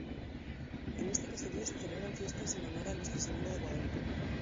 En este caserío se celebran fiestas en honor a Nuestra Señora de Guadalupe.